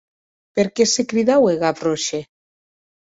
Per qué se cridaue Gravroche?